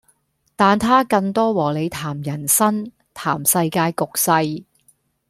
但他更多和你談人生、談世界局勢